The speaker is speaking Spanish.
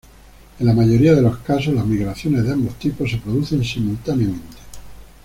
En la mayoría de los casos, las migraciones de ambos tipos se producen simultáneamente.